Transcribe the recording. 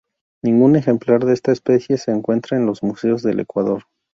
Ningún ejemplar de esta especie se encuentran en los museos del Ecuador.